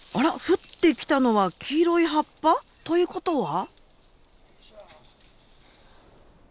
降ってきたのは黄色い葉っぱ？ということは。